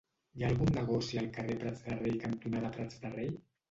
Hi ha algun negoci al carrer Prats de Rei cantonada Prats de Rei?